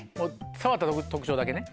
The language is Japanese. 触った特徴だけね。